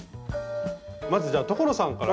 まずじゃあ所さんから。